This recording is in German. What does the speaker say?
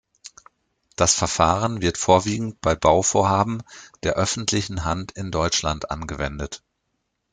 Das Verfahren wird vorwiegend bei Bauvorhaben der öffentlichen Hand in Deutschland angewendet.